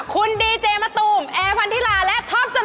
คุณดีเจมะตูมแอร์พันธิลาและท็อปจร